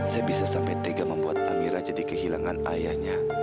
saya bisa sampai tega membuat amira jadi kehilangan ayahnya